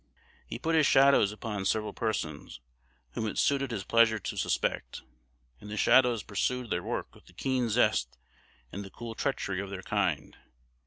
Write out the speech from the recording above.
He put his "shadows" upon several persons, whom it suited his pleasure to suspect; and the "shadows" pursued their work with the keen zest and the cool treachery of their kind.